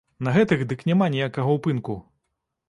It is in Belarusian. На гэтых дык няма ніякага ўпынку!